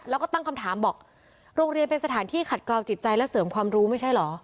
แล้วก็ตั้งคำถามบอกโรงเรียนเป็นสถานที่ขัดกล่าวจิตใจและเสริมความรู้ไม่ใช่เหรอ